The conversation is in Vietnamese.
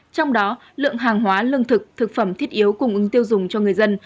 trong đó lượng hàng hóa lương thực thực phẩm thiết yếu cung ứng tiêu dùng cho người dân